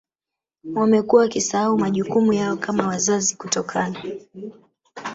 Wamekuwa wakisahau majukumu yao kama wazazi kutokana